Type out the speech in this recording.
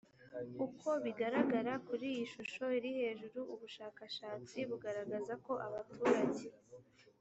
uko bigaragara kuri iyi shusho iri hejuru ubushakashatsi buragaragaza ko abaturage